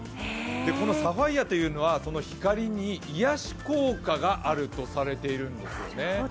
このサファイアというのは光に癒やし効果があるとされているんですね。